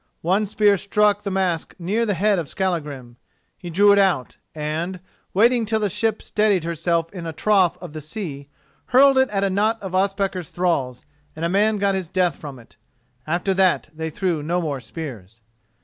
One spear struck the mast near the head of Skallagrim. He drew it out, and, waiting till the ship steadied herself in the trough of the sea, hurled it at a knot of Ospakar's thralls, and a man got his death from it. After that they threw no more spears.